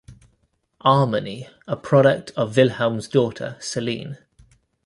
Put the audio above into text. Armony a product of Wilheim's daughter, Selene.